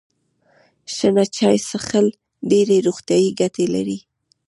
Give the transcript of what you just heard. شنه چای څښل ډیرې روغتیايي ګټې لري.